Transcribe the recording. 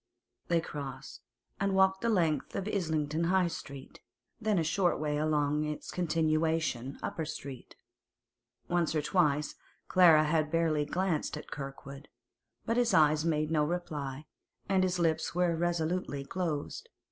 They crossed, and walked the length of Islington High Street, then a short way along its continuation, Upper Street. Once or twice Clara had barely glanced at Kirkwood, but his eyes made no reply, and his lips were resolutely closed.